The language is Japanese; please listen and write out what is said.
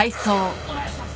お願いします！